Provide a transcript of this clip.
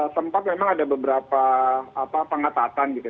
tempat memang ada beberapa pengatatan gitu